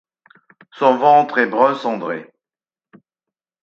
Son ventre est brun cendré.